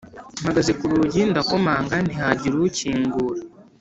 mpagaze kurugi ndakomanga ntihagire ukingura